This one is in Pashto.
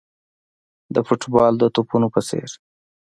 د فوټبال د توپونو په څېر.